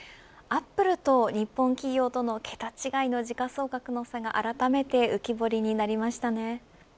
アップルと日本企業との桁違いの時価総額の差があらためて浮き彫りになりましたね。